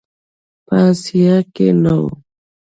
په آسیا کې نه و.